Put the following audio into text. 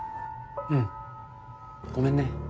うんごめんね。